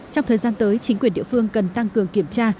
trong thời gian tới chính quyền địa phương cần tăng cường kiểm tra